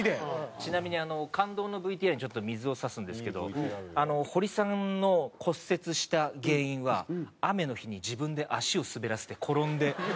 ちなみに感動のＶＴＲにちょっと水を差すんですけど堀さんの骨折した原因は雨の日に自分で足を滑らせて転んで。